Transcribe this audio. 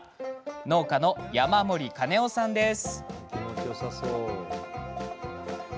農家の山森金雄さんです。